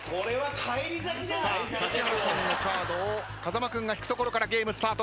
さあ指原さんのカードを風間君が引くところからゲームスタート。